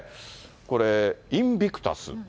これ、インビクタス。